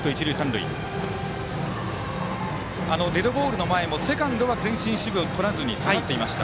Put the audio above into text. デッドボールの前もセカンドは前進守備をとらず下がっていました。